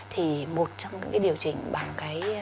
thì một trong những cái điều chỉnh bằng cái